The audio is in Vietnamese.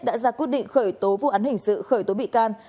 đã ra quyết định khởi tố vụ án hình sự khởi tố bị can